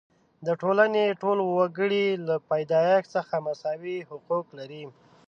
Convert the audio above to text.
د ټولنې ټول وګړي له پیدایښت څخه مساوي حقوق لري.